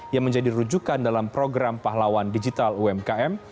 yang menjadi rujukan dalam program pahlawan digital umkm